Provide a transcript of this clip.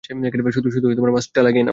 শুধু মাস্কটা লাগিয়ে নাও।